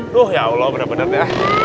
duh ya allah bener bener ya